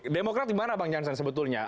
demokrat gimana bang jansan sebetulnya